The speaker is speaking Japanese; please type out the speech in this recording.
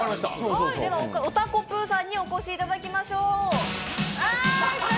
おたこぷーさんにお越しいただきましょう。